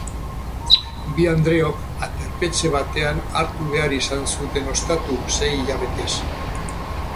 Bi andreok aterpetxe batean hartu behar izan zuten ostatu sei hilabetez.